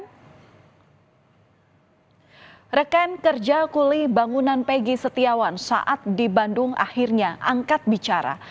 dan reken kerja kuli bangunan peggy setiawan saat di bandung akhirnya angkat bicara